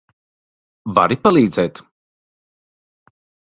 Vari palīdzēt?